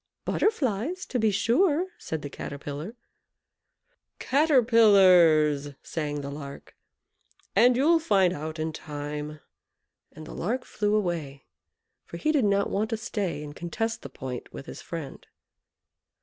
"Butterflies, to be sure," said the Caterpillar. "Caterpillars!" sang the Lark; "and you'll find it out in time;" and the Lark flew away, for he did not want to stay and contest the point with his friend.